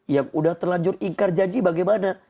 yang udah terlanjur ingkar janji bagaimana